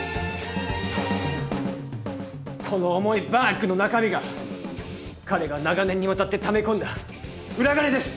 この重いバッグの中身が彼が長年にわたってため込んだ裏金です！